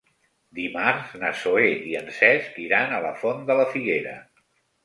Dimarts na Zoè i en Cesc iran a la Font de la Figuera.